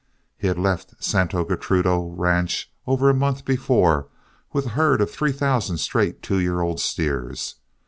He had left Santo Gertrudo Ranch over a month before with a herd of three thousand straight two year old steers.